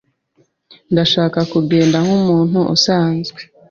Ndashaka kugenda nkumuntu usanzwe.